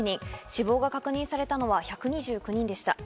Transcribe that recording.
死亡が確認されたのは１２９人でした。